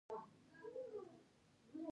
ما ورته وویل د روح په اړه معلومات نه لرم.